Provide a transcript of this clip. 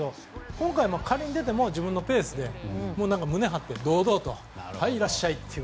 今回、仮に出ても自分のペースで胸を張って堂々とはい、いらっしゃいって。